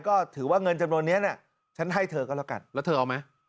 ก็ถือว่าเงินจำนวนนี้ฉันให้เธอก็แล้วกันแล้วเธอเอาไหม